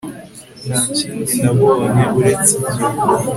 Nta kindi nabonye uretse igihu